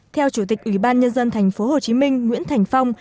theo chủ tịch ủy ban nhân dân thành phố hồ chí minh nguyễn thành phong